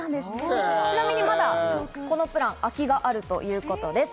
ちなみにまだこのプラン、空きがあるということです。